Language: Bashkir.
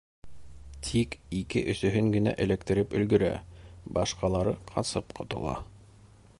Тик ике-өсөһөн генә эләктереп өлгөрә, башҡалары ҡасып ҡотола.